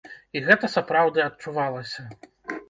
І гэта сапраўды адчувалася.